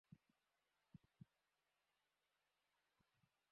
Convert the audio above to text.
আগের বছরগুলোর মতো এবারও প্রতিটি বিষয়ে ছয়-সাতটি ক্লাস করেই পরীক্ষা দিতে হবে।